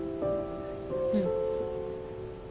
うん。